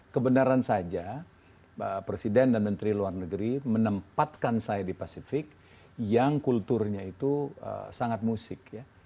kebenaran saja presiden dan menteri luar negeri menempatkan saya di pasifik yang kulturnya itu sangat musik ya